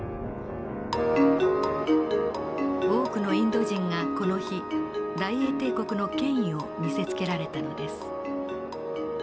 多くのインド人がこの日大英帝国の権威を見せつけられたのです。